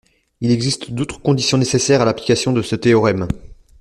Il existe d'autres conditions nécessaires à l'application de ce théorème